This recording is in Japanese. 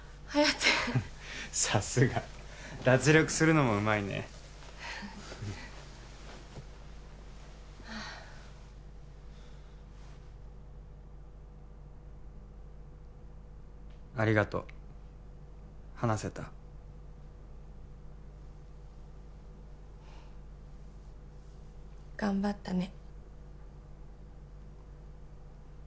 さすが脱力するのもうまいねありがとう話せた頑張ったね